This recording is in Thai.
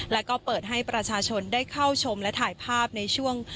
แล้วก็เปิดให้ประชาชนได้เข้าชมและถ่ายภาพในช่วง